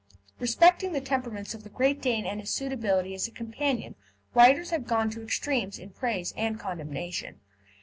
Respecting the temperament of the Great Dane and his suitability as a companion writers have gone to extremes in praise and condemnation.